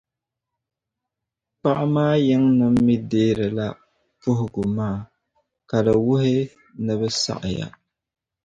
Paɣ’ maa yiŋnim’ mi deerila puhigu maa ka di wuhi ni bɛ saɣiya.